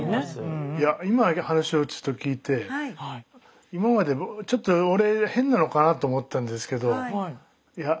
いや今の話をちょっと聞いて今までちょっと俺変なのかなと思ってたんですけどいや